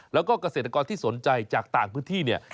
แล้วก็เกษตรกรที่สนใจจากต่างพื้นที่เนี่ย